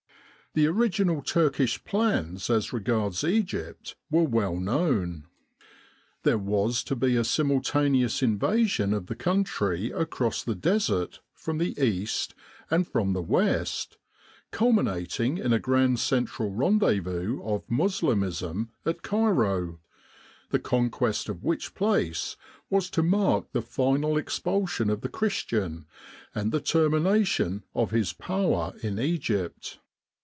The original Turkish plans as regards Egypt were well known. There was to be a simultaneous invasion of the country across the Desert from the east and from the west, culminating in a grand central rendezvous of Moslemism at Cairo, the conquest of which place was to mark the final expulsion of the Christian and the termination of his power in Egypt.